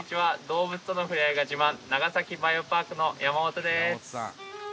動物とのふれあいが自慢長崎バイオパークの山本です